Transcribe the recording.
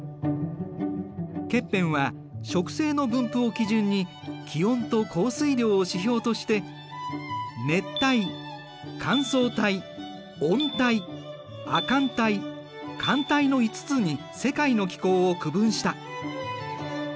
ケッペンは植生の分布を基準に気温と降水量を指標として熱帯乾燥帯温帯亜寒帯寒帯の５つに世界の気候を区分した。